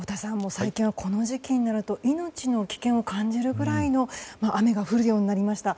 最近はこの時期になると命の危険を感じるぐらいの雨が降るようになりました。